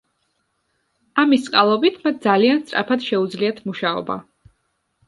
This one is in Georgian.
ამის წყალობით მათ ძალიან სწრაფად შეუძლიათ მუშაობა.